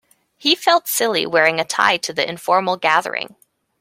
He felt silly wearing a tie to the informal gathering.